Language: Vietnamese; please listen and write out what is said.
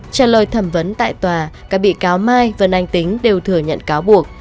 trả lời thẩm vấn tại tòa các bị cáo mai văn anh tính đều thừa nhận cáo buộc